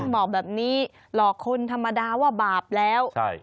บอกแบบนี้หลอกคนธรรมดาว่าบาปแล้ว